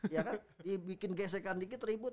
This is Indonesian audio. ya kan dibikin gesekan dikit ribut